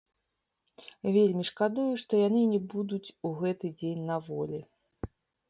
Вельмі шкадую, што яны не будуць у гэты дзень на волі.